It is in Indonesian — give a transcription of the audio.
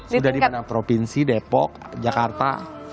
sudah di benang provinsi depok jakarta